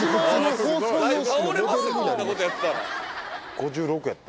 ５６やって。